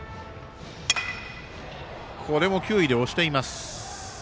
これも球威で押しています。